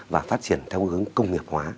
và phát triển theo hướng công nghiệp hóa